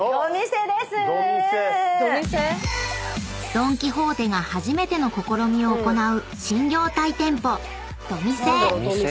［ドン・キホーテが初めての試みを行う新業態店舗ドミセ］